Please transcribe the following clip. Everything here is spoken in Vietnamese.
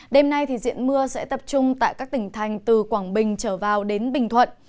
đêm nay thì diện mưa sẽ tập trung tại các tỉnh thành từ quảng bình trở vào đến bình thuận